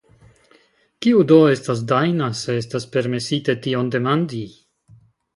Kiu do estas Dajna, se estas permesite tion demandi.